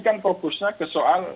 kan fokusnya ke soal